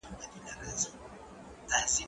ته ولي لاس مينځې،